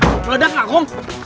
leledak lah kum